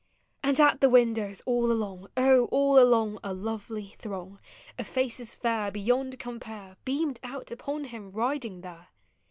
And at the windows all along, Oh, all along, a lovely throng Of faces fair, beyond compare, lieamed out upon him riding there!